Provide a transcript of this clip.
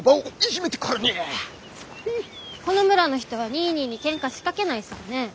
この村の人はニーニーにケンカ仕掛けないさぁねぇ。